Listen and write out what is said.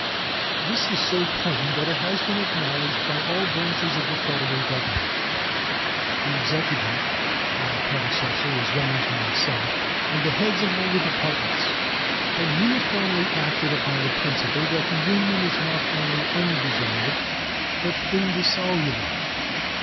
This is so plain that it has been acknowledged by all branches of the Federal Government. The Executive (my predecessor as well as myself) and the heads of all the Departments have uniformly acted upon the principle that the Union is not only undissolved, but indissoluble.